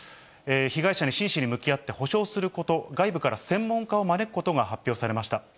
被害者に真摯に向き合って補償すること、外部から専門家を招くことが発表されました。